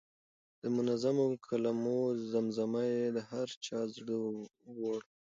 د منظومو کلمو زمزمه یې د هر چا زړه وړه.